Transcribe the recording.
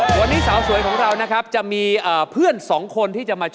วันนี้สาวสวยมา๑คนที่กำลังตามหาคู่ของเขาอยู่ไหมครับ